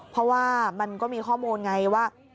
เพราะว่ามันก็มีข้อมูลไงว่า